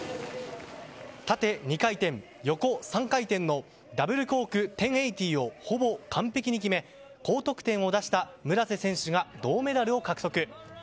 縦２回転、横３回転のダブルコーク１０８０をほぼ完璧に決め高得点を出した村瀬選手が銅メダルを獲得。